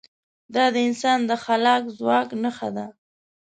دا د انسان د خلاق ځواک نښه ده.